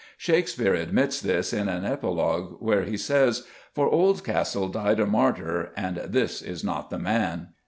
Shakespeare admits this in an epilogue where he says, "For Oldcastle died a martyr and this is not the man."